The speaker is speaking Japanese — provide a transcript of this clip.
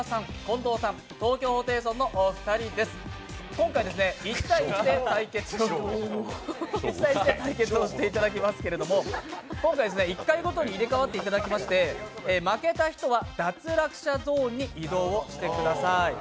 今回、１対１で対決をしていただきますけども１回ごとに入れ替わっていただきまして負けた人は脱落者ゾーンに移動してください。